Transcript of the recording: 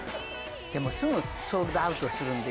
でもすぐソールドアウトするんでしょ？